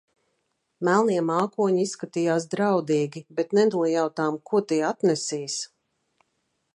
Melnie mākoņi izskatījās draudīgi, bet nenojautām, ko tie atnesīs.